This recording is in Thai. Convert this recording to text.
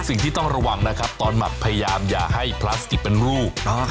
สิ่งที่ต้องระวังนะครับตอนหมักพยายามอย่าให้พลาสติกเป็นรูป